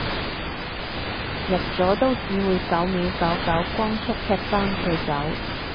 入咗都只會九秒九九光速踢返佢走